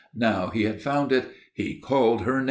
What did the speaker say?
Now he had found it. He called her names....